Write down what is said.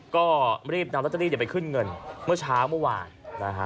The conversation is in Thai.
ก็รีบนำลอตเตอรี่ไปขึ้นเงินเมื่อเช้าเมื่อวานนะฮะ